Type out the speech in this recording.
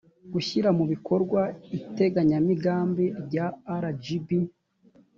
gushyira mu bikorwa iteganyamigambi rya rgb